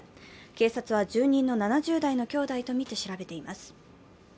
警察は住人の７０代の兄弟とみて調べています。